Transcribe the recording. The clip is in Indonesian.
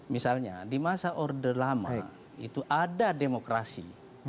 misalnya di masa orde lama itu ada demokrasi